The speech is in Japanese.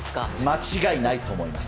間違いないと思います！